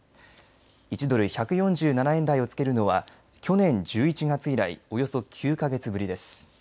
１ドル１４７円台をつけるのは去年１１月以来およそ９か月ぶりです。